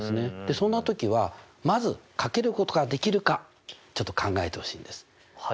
そんな時はまずかけることができるかちょっと考えてほしいんです。